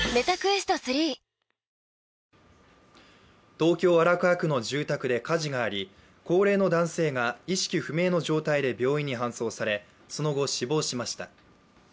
東京・荒川区の住宅で火事があり意識不明の状態で病院に搬送されその後、死亡しました。